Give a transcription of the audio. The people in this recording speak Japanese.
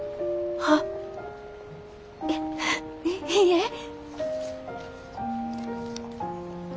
あいいいえ。